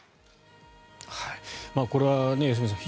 これは良純さん